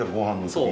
そう。